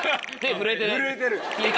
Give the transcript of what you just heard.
震えてる。